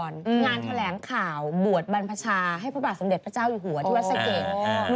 งานแถลงข่าวบวชบรรพชาให้พระบาทสมเด็จพระเจ้าอยู่หัวที่วัดสะเกด